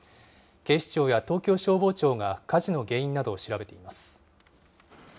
警視庁や東京消防庁が火事の原因などを調べています。